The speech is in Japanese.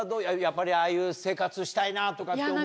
やっぱりああいう生活したいなとかって思う？